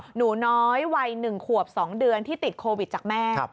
หนูน้อยวัย๑ขวบ๒เดือนที่ติดโควิดจากแม่